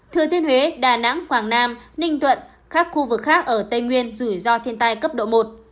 thừa thiên huế đà nẵng quảng nam ninh thuận các khu vực khác ở tây nguyên rủi ro thiên tai cấp độ một